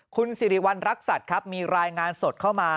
คุณสิริวัณรักษัตริย์ครับมีรายงานสดเข้ามา